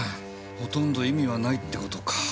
ほとんど意味はないって事か。